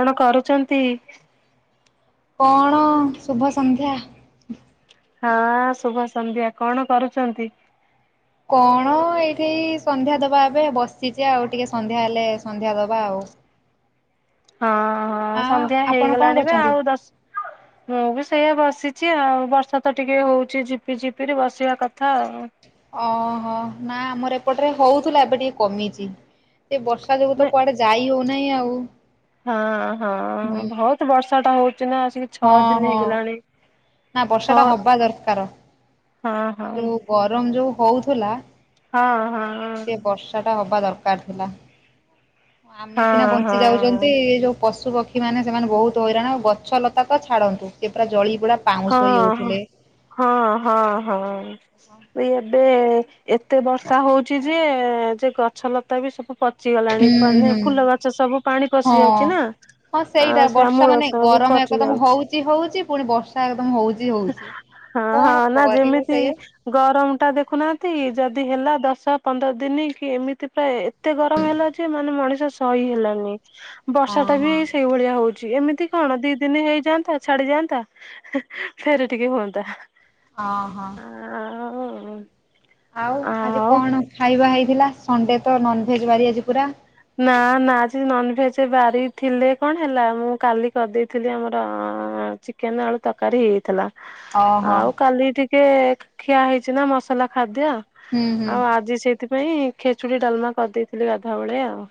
କଣ କରୁଛନ୍ତି? କଣ ଶୁଭ ସନ୍ଧ୍ୟା। ହଁ ଶୁଭ ସନ୍ଧ୍ୟା। କଣ କରୁଛନ୍ତି? କଣ ଏଇଠି ସନ୍ଧ୍ୟା ଦବା ଏବେ ବସିଛି ଆଉ ଟିକେ ସନ୍ଧ୍ୟା ହେଲେ ସନ୍ଧ୍ୟା ଦବା ଆଉ। ହଁ। ହଁ ସନ୍ଧ୍ୟା ଆପଣ କଣ ହେଇଗଲାଣି ବା କରୁଛନ୍ତି? ଆଉ ଦଶ ମୁଁ ବି ସେଇଆ ବସିଛି ଆଉ ବର୍ଷା ତ ଟିକେ ହଉଛି ଝିପି ଝିପିରି ବସିବା କଥା ଆଉ। ଓହୋ ନା ଆମର ଏପଟରେ ହଉଥିଲା ଏବେ ଟିକେ କମିଚି। ଏ ବର୍ଷା ଯୋଗୁ ତ ନା କୁଆଡେ ଯାଇ ହଉନାହିଁ ଆଉ। ହଁ ହଁ ହୁଁ ବହୁତ ବର୍ଷା ଟା ହଉଚି ନା ଆସିକି ହଁ ଛଅ ଦିନ ହଁ ହେଇଗଲାଣି। ନା ବର୍ଷା ଛଅ ଟା ହବା ଦରକାର। ହଁ ଯୋଉ ହଁ ଗରମ ଯୋଉ ହଉଥିଲା ହଁ ହଁ ହଁ। ସେ ବର୍ଷା ହବା ଦରକାର ଥିଲା। ଆମେ ସିନା ହଁ ବଞ୍ଚି ହଁ ଯାଉଛନ୍ତି ଏ ଯୋଉ ପଶୁ ପକ୍ଷୀ ପକ୍ଷୀମାନେ ସେମାନେ ବହୁତ ହଇରାଣ ଗଛ ଲତା ତ ଛାଡ଼ନ୍ତୁ ସେ ପୁରା ଜଳି ପୁଡ଼ା ହଁ ହଁ ହଁ ହଁ ହଁ। ଏଇ ଏବେ ଏତେ ବର୍ଷା ହଉଛି ଯେ, ଯେ ଗଛଲତା ବି ସବୁ ପ ହୁଁ ଚିଗଲାଣି ମାନେ ହୁଁ ଫୁଲ ଗଛ ସବୁ ପାଣି ପଶି ହଁ ଯାଉଛି ନା। ହଁ ସେଇଟା ଆଉ ସେ ବର୍ଷା ମୂଳ ମାନେ ସବୁ ଗରମ ପଚି ଏକଦମ ଯାଉଛି। ହଉଚି ହଉଚି ପୁଣି ବସ୍ ତା ଏକଦମ୍ ହଉଚି ହଉଚି ହଁ ହଁ କଣ ନା କରିବ ଯେମିତି ସେଇୟ ଗରମ ଟା ଦେଖୁନାହାନ୍ତି ଯଦି ହେଲା ଦଶ ପନ୍ଦର ଦିନ କି ଏମିତି ପ୍ରାଏ ଏତେ ଗରମ ହେଲା ଯେ ମାନେ ମଣିଷ ସହି ହେଲାନି। ବର୍ଷା ହଁ ଟା ବି ହଁ ଏଇ ସେଇଭଳିଆ ହଉଛି ଏମିତି କଣ ଦି ଦିନ ହେଇଯାଆନ୍ତା ଛାଡିଯାଆନ୍ତା। ଫେରେ ଟିକେ ହୁଅନ୍ତା। ଓହୋ। ଆଉ ଆଉ ଆଜି କଣ ଖାଇବା ହେଇଥିଲା? ସଣ୍ଡେ ତ ନନଭେଜ୍ ବାରି ଆଜି ପୁରା। ନା ନା ଆଜି ନନଭେଜ୍ ବାରି ଥିଲେ କଣ ହେଲା ମୁଁ କାଲି କରିଦେଇଥିଲି ଆମର ଚିକେନ୍, ଆଳୁ ତରକାରୀ ହେଇଯାଇଥିଲା। ଓହୋ ଆଉ କାଲି ଟିକେ ଖି ଖିଆ ହେଇଛି ନା ମସଲା ଖାଦ୍ୟ। ହୁଁ ହୁଁ ଆଉ ଆଜି ସେଇଥିପାଇଁ ଖେଚୁଡି ଡାଲମା କରିଦେଇଥିଲି ଗାଧୁଆବେଳେ ଆଉ।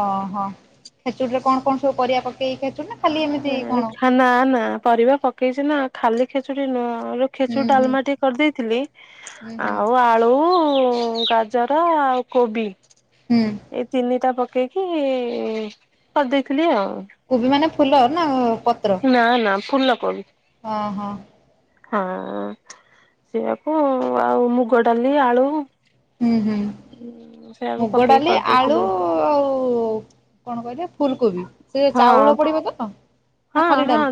ଓହୋ ଖେଚୁଡି ରେ କଣ କଣ ସବୁ ପରିବା ପକେଇକି ଖେଚୁଡି ନା ଖାଲି ଏମିତି କଣ ନା ନା ପରିବା ପକେଇଛି ନା ଖାଲି ଖେଚୁଡି ନୁହଁ। ରୁ ହୁଁ ଖେଚୁଡ ହୁଁ। ଡାଲମା ଟିକେ କରିଦେଇଥିଲି। ହୁଁ ହୁଁ ଆଉ ଆଳୁ ଗାଜର ଆଉ କୋବି। ହୁଁ। ଏଇ ତିନିଟା ପକେଇକି କରି ଦେଇଥିଲି ଆଉ। କୋବି ମାନେ ଫୁଲ ନା ପତ୍ର? ନାଁ ନାଁ ଫୁଲ କୋବି। ଓହୋ। ହଁ ସେଇଆକୁ ଆଉ ମୁଗ ଡାଲି, ଆଳୁ। ହୁଁ ହୁଁ ସେଆକୁ ମୁଗ ପକେଇ ଡାଲି, ଆଳୁ କରିଦେଇଥିଲି ଆଉ କଣ କହିଲେ ଫୁଲ୍ କୋବି ସେ ହଁ ଚାଉଳ ପଡିବ ତ? ନା ଖାଲି ଡାଲ୍?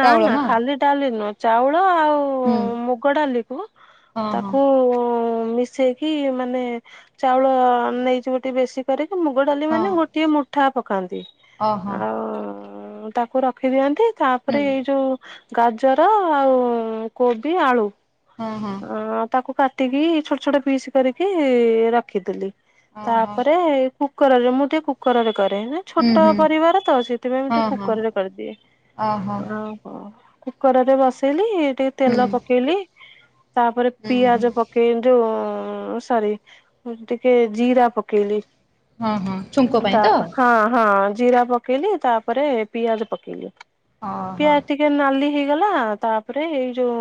ନାଁ ନାଁ ଖାଲି ଡାଲି ନୁହଁ। ଚାଉଳ ଆଉ ହୁଁ ମୁଗ ଡାଲିକୁୁ ହଁ। ହଁ ତାକୁ ମିଶେଇକି, ମାନେ ଚାଉଳ ନେଇଯିବ ଟିକେ ବେଶୀ। କରିକି ମୁଗ ଡାଲି, ହଁ ମାନେ ଗୋଟିଏ ମୁଠା ପକାନ୍ତି ଓହୋ ଆଉ ତାକୁ ରଖିଦିଅନ୍ତି, ହୁଁ ତାପରେ ଏଇ ଯୋଉ ଗାଜର, ଆଉ କୋବି ଆଳୁ। ହଁ ହଁ। ହଁ, ତାକୁ କାଟିକି ଛୋଟ ଛୋଟ ‌ପିସ୍ କରିକି ରଖିଦେଲି। ଓହୋ ତାପରେ କୁକରରେ, ମୁଁ ଟିକେ କୁକରରେ କରେ ନା? ହୁଁ ଛୋଟ ହୁଁ ପରିବାର ତ, ସେଥିପାଇଁ ମୁ ହଁ ଟିକେ ହଁ କୁକରରେ କରିଦିଏ। ଓହୋ ଆ ଅ, କୁକରରେ ବସେଇଲି, ଟିକେ ହୁଁ ତେଲ ପକେଇଲି, ତାପରେ ହୁଁ ହୁଁ ପିଆଜ ପ କେଇ ଯୋଉ ସରି, ଟିକେ ଜିରା ପକେଇଲି। ହଁ ହଁ ଛୁଙ୍କ ପାଇଁ ତ ତାପ ହଁ ହଁ ଜିରା ପକ୍ କେଇଲି, ତାପରେ ପିଆଜ ପକେଇଲି, ଓହୋ ପିଆଟି- ଟିକେ ନାଲି ହେଇଗଲା, ତାପରେ ଏଇ ଯୋଉ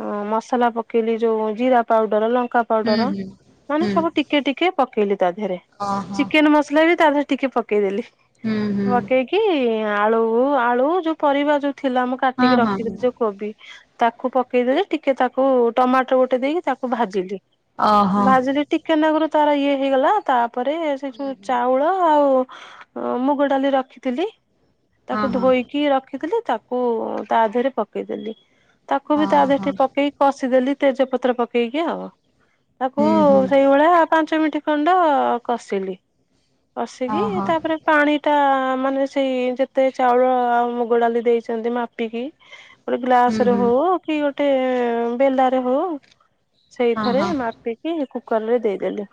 ଅ ମ ସଲା ପକେଇଲି, ଯୋଉ ଜିରା ପାଉଡର, ଲଙ୍କା ହୁଁ ପାଉଡର, ହୁଁ ମାନେ ହୁଁ ସବୁ ଟିକେ ଟିକେ ପକେଇଲି। ତା ଦେହରେ ଓହୋ ଚିକେନ୍ ମସଲା ବି ତା ଦେହରେ ଟିକେ ପ କେଇଦଲି। ହୁଁ ହୁଁ ପକେଇକି ଆଳୁ ଆଳୁ ଯୋଉ ପରିବା ଯୋଉ ଥିଲା ଆମ ହଁ କାଟିକି ହଁ ହଁ ରଖିଥିଲି ଯୋଉ କୋବି, ତାକୁ ପକେଇଦେଲେ ଟିକେ ତା କୁ ଟମାଟୋ ଗୋଟେ ଦେଇକି ତାକୁ ଭାଜିଲି, ଓହୋ ଭାଜିଲି ଟିକେ ନାକରୁ ତାର ଇଏ ହେଇଗଲା, ତାପରେ ସେ ହୁଁ ଯୋଉ ହୁଁ ଚାଉଳ ଆଉ ମୁଗ ଡାଲି ରଖିଥିଲି, ତାକୁ ହଁ ହଁ ଧୋଇ କି ରଖିଥିଲି, ତାକୁ ତା ଦେହରେ ପକେଇଦେଲି। ତାକୁ ବି ତା ଓହୋ ଦେହରେ ପକେଇ କଷିଦେଲି, ତେଜପତ୍ର ପକେଇକି ଆଉ ତାକୁ ହୁଁ ହୁଁ ସେଇଭଳିଆ ପାଞ୍ଚ ମିନିଟ୍ ଖଣ୍ଡ କଷିଲି, କଷିକି ଓହୋ ତାପରେ ପାଣି ଟା ମାନେ, ସେଇ ଯେତେ ଚାଉଳ ଆଉ ମୁଗ ଡାଲି ଦେଇଛନ୍ତି, ମାପିକି ଗୋଟେ ହୁଁ ଗ୍ଲାସରେ ହୁଁ ହଉ କି ଗୋଟେ ବେଲାରେ ହୋଉ, ହଁ ସେଇଥାରେ ହଁ ମାପି କି କୁକରରେ ଦେଇଦେଲି,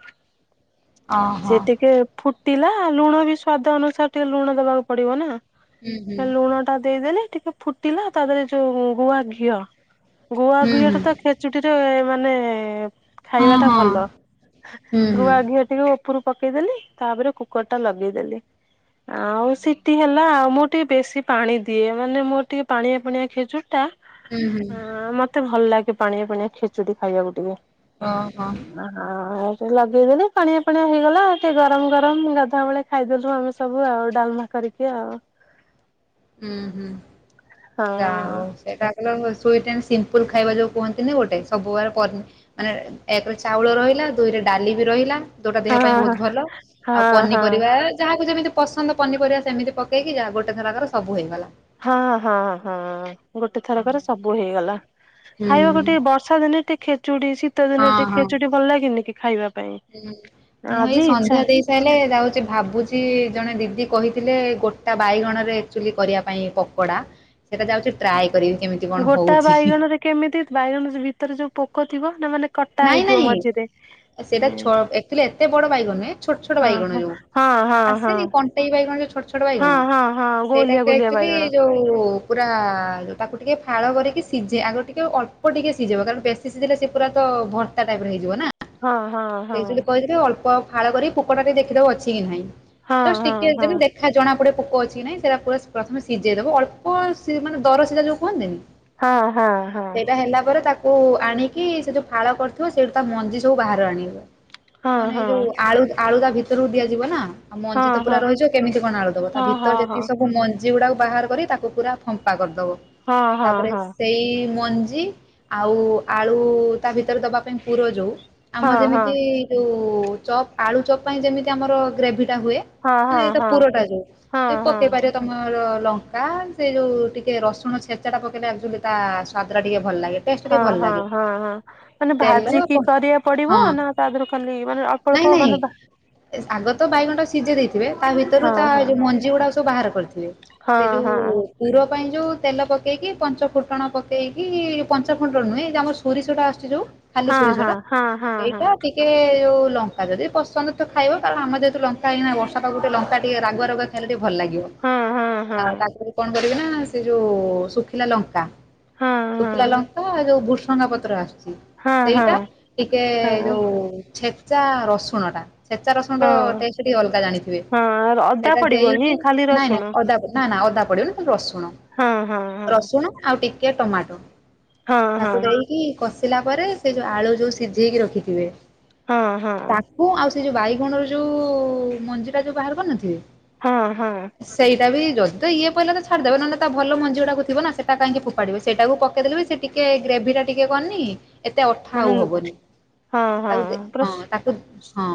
ସେ ଓହୋ ଟିକେ ଫୁଟିଲା, ଲୁଣ ବି ସ୍ଵାଦ ଅନୁସାରେ ଟିକେ ଲୁଣ ଦବାକୁ ପଡିବ ନା, ହୁଁ ହୁଁ ଲୁଣ ଟା ଦେଇଦେଲେ, ଟିକେ ଫୁଟିଲା। ତା ଦେହରେ ଯୋଉ ଗୁଆ ଘିଅ, ଗୁଆ ହୁଁ ଘିଅ ହୁଁ ଟା ତ ଖେଚୁଡିରେ ମାନେ, ହଁ ଖାଇବା ଟା ହଁ ଭଲ ହୁଁ ହୁଁ ଗୁଆଘିଅ ଟିକେ ଉପରୁ ପକେଇଦେଲି, ତାପରେ କୁକରଟା ଲଗେଇଦେଲି। ଆଉ ସିଟି ହେଲା। ଆଉ ମୁଁ ଟିକେ ବେଶୀ ପାଣି ଦିଏ, ମାନେ ମୋ ଟିକେ ପାଣିଆ ପୁଣିଆ ଖିଛୁଡି ଟା ହୁଁ ହୁଁ ଆଁ ମତେ ଭଲଲାଗେ ପାଣିଆ ପାଣିଆ ଖେଚୁଡି ଖାଇବାକୁ ଟିକେ। ଅ ହଁ। [unintelligible] ଏଇଟା ଲଗେଇଦେଲି, ପାଣିଆ ପାଣିଆ ହେଇଗଲା। ଟିକେ ଗରମ ଗରମ ଗାଧୁଆ ବେଳେ ଖାଇଦେଲୁ ଆମେ ସବୁ ଆଉ ଡାଲମା କରିକି। ଆଉ ହୁଁ ହୁଁ, ହଁ। ଯା ହଉ ସେଇଟା [unintelligible] ସିମ୍ପୁଲ୍ ଖାଇବା ଯୋଉ କୁହନ୍ତି ନି ଗୋଟେ [unintelligible] ମାନେ, ଏକ୍ ରେ ଚାଉଳ ରହିଲା, ଦୁଇରେ ଡାଲି ବି ରହିଲା। ଯୋଉଟା ଦେହ ହଁ ପାଇଁ ବହୁତ୍ ହଁ ଭଲ, ଆଉ ହଁ ପନିପରିବା ଯାହାକୁ ଯେମିତି ପସନ୍ଦ ପନିପରିବା ସେମତି ପକେଇକି, ଯାହା ଗୋଟେ ଥରକାର ସବୁ ହେଇଗଲା। ହଁ ହଁ ହଁ, ଗୋଟେ ହଁ, ଥରକରେ ହଁ। ସବୁ ହେଇଗଲା। ହୁଁ ଖାଇବାକୁ ଟିକେ ବର୍ଷା ଦିନେ ଟିକେ ଖେଚୁଡି ଶି ଶୀତ ଦିନ ହଁ ଟିକେ ହଁ ଖେଚୁଡ଼ି ଭଲ ଲାଗେନି କି? ଖାଇବା ପାଇଁ ଆଜି ଇଚ୍ଛା। ତାହେଲେ ଯାଉଛି ଭାବୁଛି। ଜଣେ ଦିଦି କହିଥିଲେ, ଗୋଟା ବାଇଗଣରେ ଏକ୍ଚୁଲି କରିବା ପାଇଁ ପ କଡା, ସେଇଟା ଯାଉଛି ଟ୍ରାଏ କରିବି କେମି ଗୋଟା ବାଇଗଣ ରେ କେମିତି ବାଇଗଣ ଭିତରେ ଯୋଉ ପୋକ ଥିବ ନା ମାନେ କଟା ନାଇଁ ହେଇଥିବ ନାଇଁ ମଝିରେ। ସେଇଟା ଛୋ ଏକ୍ଚୁଲି ଏତେ ବଡ ବାଇଗଣ ନୁହେଁ ଛୋଟ୍ ଛୋଟ୍ ହଁ ବାଇଗଣ ହଁ ଯୋଉ ହଁ ହଁ ହଁ। ଆସେନି କ ସେଇ ବାଇଗଣ ଯୋଉ ଛୋଟ ଛୋଟ ହଁ ବାଇଗଣ ହଁ ହଁ ଗୋଲିଆ ସେଇଟାକୁ ଗୋଲିଆ ଅଚ୍ତୁଅଲ୍ଲି ବାଇଗଣ ଯୋଉ ପୁରା ତାକୁ ଟିକେ ଫାଳ କରିକି ସିଝେ ଆଗରୁ ଟିକେ ଅଳ୍ପ ଟିକେ ସିଝିବ କାରଣ ବେଶୀ ସିଝିଲେ ସେ ପୁରା ତ ଭର୍ତ୍ତା ଟାଇପର ହେଇଯିବ ନା ହଁ ହଁ। ହଁ ସେ କହିି ଅଳ୍ପ ଫାଳ କରିିକ ପୋକଟା ଦେଖିଦବ ଅଛି କି ନାହିଁ ହଁ ଜଷ୍ଟ ହଁ ଟିକେ ହଁ। ତାହା ଜଣା ପଡେ ପୋକ ଅଛି ନାଇଁ ସେଇଟା ପ୍ରଥମେ ସିଝେଇଦବ ଅଳ୍ପ ଦର ସିଜା ଯୋଉ କୁହନ୍ତିନି ହଁ ହଁ ହଁ ସେଇଟା ହେଲା ପରେ ତାକୁ କୁ ଆଣିକି ସେ ଯୋଉ ଫାଳ କରିଥିବ ସେଇଠୁ ତା ମଞ୍ଜି ସବୁ ବାହାରୁ ଆଣିବ। ନ ହଁ ନେଇ ହଁ ଯୋଉ ଆଳୁ ଆଳୁ ତା ଭିତରକୁ ଦିଆଯିବ ନା। ଆଉ ହଁ ମଞ୍ଜିିତ ହଁ ପୁରା ରହିଛ କେମିତି କଣ ଆଳୁ ଦବ ତା ହଁ ଭିତରେ ହଁ ଯେତିକ ହଁ। ସବୁମ ମଜୀ ଗୁଡାକୁ ବାହାର କରି ତାକୁ ପୁରା ଫମ୍ପା କରିଦବ ହଁ ହଁ ତାପରେ ହଁ ସେଇ ମଞ୍ଜି ଆଉ ଆଳୁ ତା ଭିତରେ ଦବା ପାଇଁ ପୁର ଯୋଉ ଆମ ହଁ ହଁ ଯେମିତି ହଁ ଏଇ ଯୋଉ ଚପ୍ ଆଳୁ ଚପ୍ ପାଇଁ ଯେମିତି ଆମର ଗ୍ରେଭି ଟା ହୁଏ। ମାନେ ହଁ ହଁ ଏଇଟ ପୁରଟା ଯୋଉ ହଁ ଏ ପକେଇ ହଁ। ପାରିବା। ତମର ଲଙ୍କା ସେ ଯେଉ ଟିକେ ରସୁଣ ଛେଚାଟା ପକେଇଲେ ଆକ୍ଚୁଆଲି ତା ସ୍ଵାଦଟା ଟିକେ ଭଲ ଲାଗେ। ଟେଷ୍ଟ ହଁ ଟିକେ ଭଲ ହଁ ଲାଗେ ହଁ ହଁ ମାନେ ତେଲ ପ ଭାଜିିକି କରିବାକୁ ହଁ ପଡିବ ନା। ତା ଦ୍ୱାର ଖାଲି ମାନେ ଅଳ୍ପ ନାଇଁ ଅଳ୍ପ ନାଇଁ ମାନେ ବା ଆଗ ତ ବାଇଗଣ ସିଝେଇ ଦେଇ ଏବେ ତା ଭିତରୁ ହଁ ତା ହଁ ଯୋଉ ମଞ୍ଜି ଗୁଡାକ ସବୁ ବାହାର କରିଥିବେ। ହଁ ସେ ହଁ। ଯୋଉ ପୁର ପାଇଁ ଯୋଉ ତେଲ ପକେଇକି ପଞ୍ଚ ଫୁଟଣ ପକେଇକି ପଞ୍ଚ ଫୁଟଣ ନୁହେଁ ଆମର ସୋରିଷଟା ଆସଛି ଯୋଉ ଖାଲି ହଁ ସୋରିଷ ହଁ ଟା ହଁ ହଁ ହଁ ଟିକେ ଯଉ ଲଙ୍କାଦି ପସନ୍ଦ ତ ଖାଇବ କାରଣ ଆମର ଯେହେତୁ ଲଙ୍କା ହେଇନା ବର୍ଷା ପାଖକୁ ଲଙ୍କା ଟିକେ ରାଗୁଆ ରାଗୁଆ ଖାଇଲେ ଟିକେ ଭଲ ଲାଗିବ ହଁ ହଁ ଆ ହଁ ତାପରେ କଣ କରିବି ନା ସେ ଯୋଉ ଶୁଖିଲା ଲଙ୍କା ହଁ ହଁ ହଁ ଶୁଖିଲା ଲଙ୍କାଉ ଯୋଉ ଭୃସଙ୍ଗ ପତ୍ର ଆସୁଛି ସେଇଟା ହଁ। ଟିକେ ହଁ ଓ ଛେଚା ରସୁଣ ଟା ଛେଚା ରସୁଣ ର ହଁ ଟେଷ୍ଟ ଟିକ ଅଲଗା ଜାଣିଥିବେ ହଁ ଅଦା ସେଇଟା ପଡିବନି ଦେଇକି ଖାଲି ନାଇଁ ନାଇଁ ରସୁଣ ଅଦା ନା ନା ଅଦା ପଡିବନି ରସୁଣ ହଁ ହଁ ହଁ। ରସୁଣ ଆଉ ଟିକେ ଟମାଟୋ ହଁ ତାକୁ ହଁ ଦେଇକି କଷିଲା ପରେ ସେ ଯୋଉ ଆଳୁ ଯୋଉ ସିଝେଇକି ରଖିଥିବେ। ହଁ ହଁ। ହଁ ଆଉ ସେ ଯୋଉ ବାଇଗଣର ଯୋଉ ମଞ୍ଜି ଟା ଯୋଉ ବାହାର କରିନଥିବେ ହଁ ହଁ। ସେଇଟା ବି ଯଦି ଏ ପଡିଲା ତ ଛାଡି ଦେବେ ନହଲେ ଭଲମଞ୍ଜିଥିବ ନା ସେଟାହିଁକ ଫୋପାଡିବେ ସେଇାକୁ ପକେଇ ଦେବ ସେଇ ଟିକେ ଗ୍ରେଭି ଟା ଟିକେ କରିନି ଏତେ ଅଠା ମାନେ ଆଉ ହବନି। ହଁ ହଁ ତାକୁ ଦେ ପୁରା ହଁ ତାକୁ ହଁ।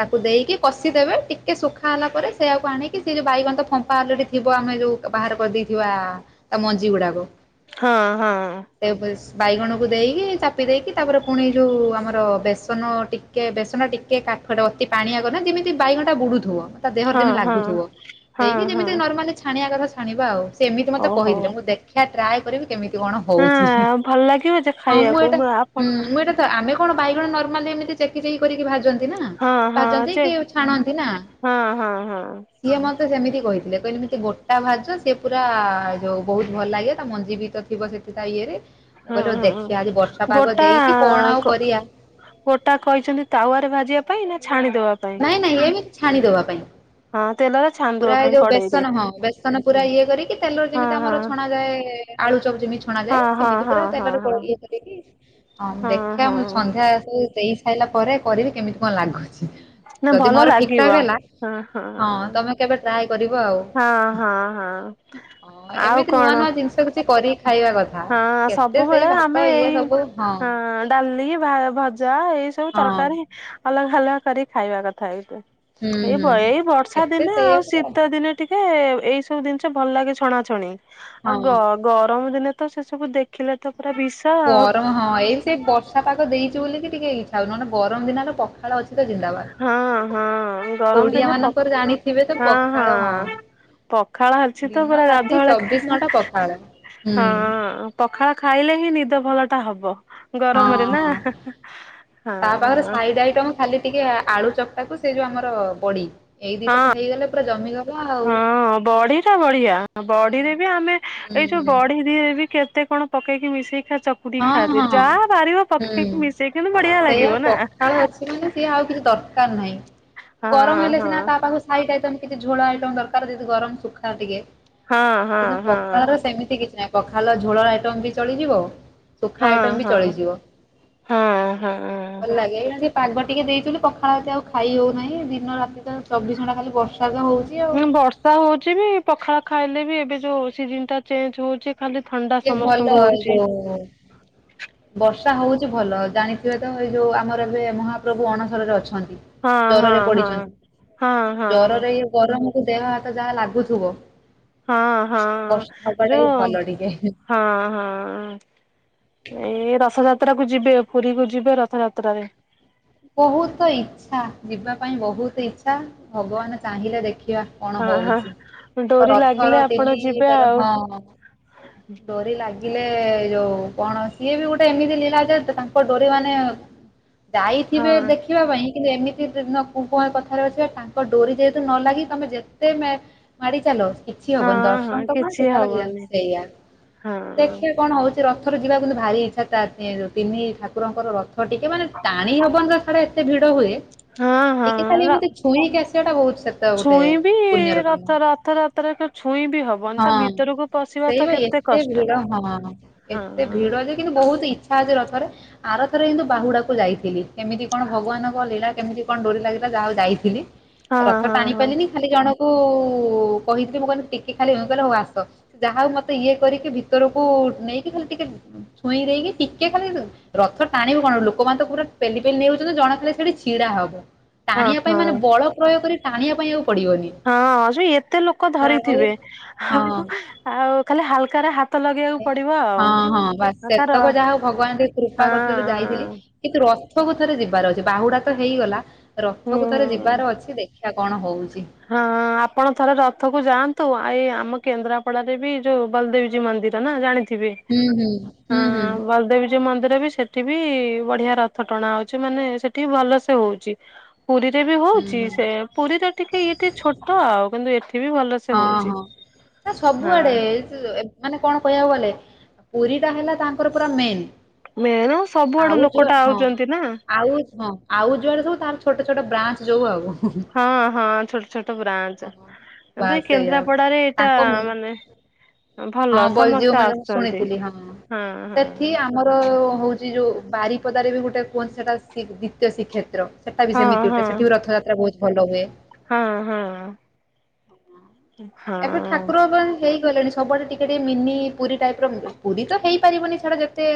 ତାକୁ ଦେଇକି କଷିଦେବେ ଟିକେ ଶୁଖା ହେଲା ପରେ ସେଇଆକୁ ଆଣିକି ସେ ଯୋଉ ବାଇଗଣ ଫମ୍ପାଲରେଡି ଥିବ ଆମେ ଯୋଉ ବାହାର କରିଦେଇଥିବା ତା ମଞ୍ଜି ଗୁଡାକୁ। ହଁ ହଁ। ବାଇଗଣକୁ ଦେଇକି ଚାପି ଦେଇକି ତାପରେ ପୁଣି ଯୋଉ ଆମର ବେସନ ଟିକେ ବେସନ ଟିକେ କାଠଟେ ଅତି ପାଣିଆ ନା ଯେମିତି ବାଇଗଣଟା ବୁଡୁଥିବ। ତା ଦେହରେ ହଁ ଯେମିତି ହଁ ଲାଗୁଥିବ ହଁ ଦେଇକି ହଁ ଯେମିତି ନର୍ମାଲି ଛାଣିବା କଥା ଛଣିବା ଆଉ ସେମିତି ମୋତେ ଓହୋ। କହିଥିଲେ ମୁଁ ଦେଖିବା ଟ୍ରାଏ କରିବି। କେମିତି କଣ ହଉଛି ହଁ ଭଲ ଲାଗିବ ଯେ ହଁ ମୁଁ ଖାଇବାକୁ ଏଇଟା ଆପଣ ହଁ ମୁଁ ଏଇଟା ତ ଆମେ କଣ ବାଇଗଣ ନର୍ମାଲି ଏମିତି ଚେକି ଚେକି କରିକି ଭାଜନ୍ତି ନା ହଁ ହଁ ଭାଜନ୍ତି ଯେ କି ଛାଣନ୍ତି ନା। ହଁ ହଁ ହଁ ସିଏ ମତେ ସେମିତି କହିଥିଲେ କହିଲେଏମିତି ଗୋଟା ଭାଜ ସିଏ ପୁରା ଯୋଉ ବହୁତ ଭଲ ଲାଗେ ତା ମଞ୍ଜି ବି ତ ଥିବ ସେ ତା ଇଏରେ ମୁଁ ହଁ କହିଲି ହଁ। ଦେଖିବା ଆଜି ବର୍ଷା ପାଗ ଗୋଟା ଦେଇଚି କଣ ଆଉ କରିବା। ଗୋଟା କହିଚନ୍ତି ତାୱରେ ଭାଜିବା ପାଇଁ ନା ଛାଣିଦବା ପାଇଁ? ନାଇଁ ନାଇଁ ଏମିତି ଛାଣିଦବା ପାଇଁ। ହଁ ତେଲ ପୁରା ଏ ଯୋଉ ବେସନ ହଁ ବେସନ ପୁରା ଇଏ କରିକି ତେଲରେ ହଁ ଯେମିତି ହଁ ଆମର ଛଣା ଯାଏ ଆଳୁ ଚପ ଯେମିତି ଛଣା ଯାଏ ହଁ ହଁ ସେମିତି ହଁ ପୁରା ହଁ ତେଲରେ ପଳ ହଁ। ଇଏ କରିକି ହଁ ଦେଖିବା ମୁଁ ସନ୍ଧ୍ୟାକୁ ଦେଇ ସାରିଲା ପରେ କରିବି କେମିତି କଣ ଲାଗୁଛି। ନା ଯଦି ଭଲ ମୋର ଠିକ ଲାଗିବ ଠାକ ହେଲା ହଁ ତମେ କେବେ ଟ୍ରାଏ କରିବ ଆଉ ହଁ ହଁ ହଁ ଆଉ ଏମିତି କଣ ନୂଆ ନୂଆ ଜିନିଷ କିଛି କରି ଖାଇବା କଥା। ହଁ କେତେ ସେଇ ସବୁବେଳେ ଭାତ ଆମେ ଇଏ ଏଇ ସବୁ ହଁ। ଡାଲି ଭା ଭଜା ଏଇ ସବୁ ହଁ ତରକାରୀ ଅଲଗା ଅଲଗା କରିକି ଖାଇବା କଥା ଏବେ। ହୁଁ ଏଇ ବ ହୁଁ। ଏଇ ବର୍ଷା କେତେ ଦିନେ ଆଉ ସେଇଆକୁ ଶୀତ ଦିନେ ଟିକେ ଏଇ ସବୁ ଜିନିଷ ଭଲ ଲାଗେ ଛଣାଛଣି ଆଉ ହଁ। ଗ ଗରମ ଦିନେ ତ ସେ ସବୁ ଦେଖିଲେ ତ ପୁରା ବିଷ। ଆଉ। ଗରମ ହଁ ଏଇ ସେ ବର୍ଷା ପାଗ ଦେଇଚି ବୋଲିିକି ଟିକେ ଇଚ୍ଛା ହଉଚି ଗରମ ଦିନରେ ପଖାଳ ଅଛି ତ ଜିନ୍ଦାବାଦ। ହଁ ହଁ ଗରମ ଓଡିଆ ଦିନେ ପ ମାନଙ୍କର ଜାଣିଥିବେ ତ ହଁ ପଖାଳ ହଁ। ପଖାଳ ଅଛି ତ ଦିନ ପୁରା ରାତି ଗାଧୁଆଳେ ଖ ଚବିଶ ଘଣ୍ଟା ପଖାଳ ହୁଁ ହଁ। ପଖାଳ ଖାଇଲେ ହିଁ ନିଦ ଭଲ ଟା ହବ। ହଁ ଗରମରେ ନା ହଁ। ହଁ ତା ପାଖରେ ହଁ। ସାଇଡ ଆଇଟମ ଖାଲି ଟିକେ ଆଳୁ ଚକଟାକୁ ସେ ଯୋଉ ଆମର ବଡି ଏଇ ଦିଟା ହଁ ତ ହେଇଗଲେ ପୁରା ଜମି ମି ଯିବ ଆଉ। ହଁ ବଢିଟା ବଢିଆ ବଢିରେ ବି ଆମେ ହୁଁ ଏଇ ଯୋଉ ହୁଁ ବଢି ଦିହରେ ବି କେତେ କଣ ପକେଇକି ମିଶେଇ ଖିନା ଚ ଚକୁଟିକି ହଁ ଖାନ୍ତି ହଁ ଯାହା ବାହାରିବ ହୁଁ ଚକଟିକି ମିଶେଇ କିନ୍ତୁ ବଢିଆ ଲାଗିବ ନା। ସେ ଆଉ କିଛି ଦରକାର ନାହିଁ ହଁ ଗରମ ହେଲେ ହଁ ସିନା ତା ପାଖକୁ ସାଇଟ୍ ଆଇଟମ୍ କିଛି ଝୋଳ ଆଇଟମ୍ ଦରକାର ଯଦି ଗରମ ଶୁଖା ଟିକେ। ହଁ ହଁ କିନ୍ତୁ ହଁ। ପଖାଳର ସେମିତି କିଛି ନାହିଁ ପଖାଳ ଝୋଳର ଆଇଟମ୍ ବି ଚଳିଯିବ ସୁଖା ହଁ ଆଇଟମ୍ ବି ହଁ ଚଳିଯିବ ହଁ ହଁ। ଭଲ ଲାଗେ ପାଗ ଟିକେ ଦେଇଚି ବୋଲି ପଖାଳ ଏତେ ଆଉ ଖାଇ ହଉନାହିଁ ଦିନ ରାତି ତ ଚବିଶ ଘଣ୍ଟା ଖାଲି ବର୍ଷା ତ ହଉଚି ଆଉ। ହଁ ବର୍ଷା ହଉଚି ବି ପଖାଳ ଖାଇଲେ ବି ଏବେ ଯୋଉ ସିଜନ୍ ଟା ଚେଞ୍ଜ ହଉଚି ସେ ଭଲ ଏ ଯୋଉ ବର୍ଷା ହଉଚି ଭଲ ଜାଣିଥିବେ ତ ଏଇ ଯୋଉ ଆମର ଏବେ ମହାପ୍ରଭୁ ଅଣସରରେ ଅଛନ୍ତି। ହଁ ଜରରେ ହଁ ହଁ। ପଡିଛନ୍ତି ହଁ ହଁ ଜରରେ ଇଏ ଗରମକୁ ଦେହ ହାତ ଯାହା ଲାଗୁଥିବ। ହଁ ହଁ ବର୍ଷା ହବାଟା ହିଁ ଯୋଉ ଭଲ ଟିକେ। ହଁ ହଁ ଏଇ ରଥ ଥଯାତ୍ରା କୁ ଯିବେ ପୁରୀ କୁ ଯିବେ ରଥଯାତ୍ରାରେ। ବହୁତ ତ ଇଚ୍ଛା ଯିବା ପାଇଁ ବହୁତ ଇଚ୍ଛା ଭଗବାନ ଚାହିଁଲେ ଦେଖିବା। କଣ ହଁ ହଉଛି। ହଁ ତ ଡୋରି ରଥର ଲାଗିଲେ ତିନି ଆପଣ ଯିବେ ତାର ଆଉ। ହଁ। ହୁଁ [unintelligible] ଡୋରି ଲାଗିଲେ ଏଇ ଯୋଉ କଣ ସିଏ ବି ଗୋଟେ ଏମିତି ଲିଳା ଯେ ତାଙ୍କ ଡୋରି ମାନେ ହଁ ଯାଇଥିବେ ଦେଖି ଦେଖିବା ପାଇଁ କିନ୍ତୁ ଏମିତି ଦିନ କୁଁ କୁ କଥାରେ ଅଛି ବା ତାଙ୍କ ଡୋରି ଯେହେତୁ ନ ଲାଗି ତୁମେ ଯେତେ ମା ମାଡି ଚାଲ କିଛି ହଁ ହବନ ହଁ ଦର୍ଶନ ତ କଣ କିଛି ସୁତା ଲଗି ଯା ହବନି ସେଇଆ ହଁ ଦେଖିଆ କଣ ହଉଚି। ରଥରେ ଯିବାକୁ କିନ୍ତୁ ଭାରି ଇଚ୍ଛା ତା ତିଁ ତିନି ଠାକୁରଙ୍କର ରଥ ଟିକେ ମାନେ ଟାଣି ହବ [unintelligible] ରେ ଏତେ ଭିଡ ହୁଏ ହଁ ଟିକେ ଖାଲି ହଁ ଏମିତି ଛୁଇଁକି ଆସିବାଟା ବହୁତ ସେ ଛୁଇଁ ବି ରଥ ରଥଯାତରାରେ ତ ଛୁଇଁ ବି ହବନି ତା ଭିତରୁକୁ ସେଇବା ଏତେ ଭିଡ ହଁ ହଁ ଏତେ ଭିଡ ଯେ କିନ୍ତୁ ବହୁତ ଇଚ୍ଛା ଅଛି ରଥରେ ଆରଥରେ କିନ୍ତୁ ବାହୁଡାକୁ ଯାଇଥିଲି। କେମିତି କଣ ଭଗବାନଙ୍କ ଲୀଳା କେମିତି କଣ ଡୋରି ଲାଗିଲା ଯାହା ହଉ ଯାଇଥିଲି। ହଁ ରଥ ହଁ ଟାଣି ହଁ ପାରିଲିନି ଖାଲି ଜଣଙ୍କୁ କହିଥିଲି ମୁଁ କହିଲି ଟିକେ ଖାଲି ହୁଁ କହିଲେ ହଉ ଆସ। ଯାହା ହଉ ମତେ ଇଏ କରିକି ଭିତରକୁ ନେଇକି ଖାଲି ଟିକେ ଛୁଇଁ ଦେଇକି ଟିକେ ଖାଲି ରଥ ଟାଣିବୁ କଣ ଲୋକମାନେ ତ ପୁରା ପେଲି ପେଲି ନେଉଯାଉଛନ୍ତି ଜଣ ଖାଲି ସେଠି ଛିଡା ହବ ହଁ ଟାଣିବା ପାଇଁ ମାନେ ହଁ ବଳ ପ୍ରୟୋଗ କରି ଟାଣିବା ପାଇଁ ଆଉ ପଡିବନି। ହଁ ସେଇ ଏତେ ଲୋକ ଯାହା ହଉ ଧରିଥିବେ ହଁ ହାଉ ଆଉ ଖାଲି ହାଲକାରେ ହା ହଁ ହଁ ବାସ୍ କାର ସେତକ ଯାହା ହଉ ଭଗବାନ ଟିକେ କୃପା କରିଥିଲେ ବେଲି ଯାଇଥିଲି। ହଁ କିନ୍ତୁ ରଥକୁ ଥରେ ଯିବାର ଅଛି ବାହୁଡା ତ ହେଇଗଲା ହୁଁ ରଥକୁ ଥରେ ହୁଁ ଯିବାର ଅଛି ଦେଖ ଇଆ କଣ ହଉଚି। ହଁ ଆପଣ ଥରେ ରଥକୁ ଯାଆନ୍ତୁ ଆ ଏଇ ଆମ କେନ୍ଦ୍ରାପଡାରେ ବି ଯୋଉ ବଲଦେବଜୀଉ ମନ୍ଦିର ନା ଜାଣି ଥିବେ ହୁଁ ହୁଁ ହଁ ହୁଁ ହୁଁ ହୁଁ ବଲଦେବ ଜୀଉ ମନ୍ଦିର ବି ସେଠି ବି ବଢିଆ ରଥ ଟଣା ହଉଛି ମାନେ ସେଠି ଭଲ ସେ ହଉଚି। ପୁରୀରେ ବି ହଉଚି ହୁଁ ସେ ପୁରୀରେ ଏଠେଇ ଇଏ ଟିକେ ଛୋଟ ଆଉ କିନ୍ତୁ ଏଠି ବି ଭଲସେ ହଁ ହଉଚି ହଁ। ନା ହଁ। [unintelligible] ମାନେ କଣ କହିଆକୁ ଗଲେ ପୁରୀ ଟା ହେଲା ତାଙ୍କର ପୁରା ମେନ୍। ମେନ ସବୁଆଡୁ ଆଉ ଯୋଆ ଲୋକଟା ହଁ ଆଉଛନ୍ତି ନା ଆଉ ହଁ। ଆଉ ଯୁଆଡେ ସବୁ ତାର ଛୋଟ ଛୋଟ ବ୍ରାଞ୍ଚ ଯୋଉ ଆଉ। ହଁ ହଁ ଛୋଟ ଛୋଟ ବ୍ରାଞ୍ଚ କିନ୍ତୁ ବାସ୍ ଏଇ ସେଇଆ କେନ୍ଦ୍ରାପଡାରେ ଏଇଟା ତାଙ୍କ ମାନେ ହଁ ଭଲ ବଲଜିଉ ସମସ୍ତେ ମେଳଣ ଆସୁଛନ୍ତି ଶୁଣିଥିଲି ହଁ। ହୁଁ ସେଠି ହୁଁ। ଆମର ହଉଚି ଯୋଉ ବାରିପଦାରେ ବି ଗୋଟେ କୁହନ୍ତି ସେଟା ଶୀ ଦ୍ଵିତୀୟ ଶ୍ରୀକ୍ଷେତ୍ର। ସେଟା ବି ସେମିତି ହଁ ହଁ ଗୋଟେ ସେଠି ବି ରଥଯାତ୍ରା ବହୁତ ଭଲ ହୁଏ। ହଁ ହଁ। ଏବେ ହଁ ଠାକୁର ହେଇଗଲାଣି ସବୁଆଡେ ଟିକେ ଟିକେ ମିନି ପୁରୀ ଟାଇପ୍ ର ପୁରୀ ତ ହେଇପାରିବନି ଛାଡ ଯେତେ